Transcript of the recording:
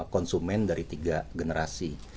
konsumen dari tiga generasi